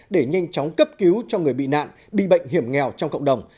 để nhanh chóng cấp cứu cho người bị nạn bị bệnh hiểm nghèo trong cộng đồng